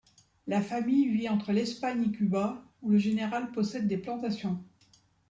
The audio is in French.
La famille vit entre l'Espagne et Cuba où le général possède des plantations.